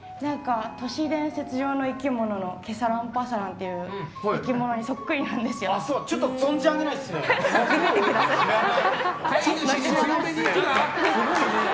都市伝説上の生き物のケサランパサランという生き物にちょっと存じ上げないです。